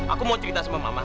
aku mau cerita sama mama